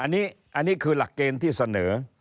อันนี้คือหลักเกณฑ์ที่เสนอ